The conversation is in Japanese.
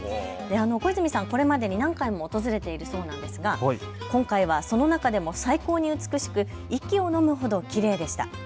小泉さん、これまでに何回も訪れているそうなんですが、今回はその中でも最高に美しく息をのむほどきれいでした。